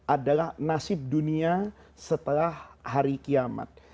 adalah nasib dunia setelah hari kiamat